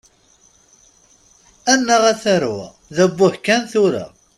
Annaɣ, a tarwa! D abbuh kan, tura!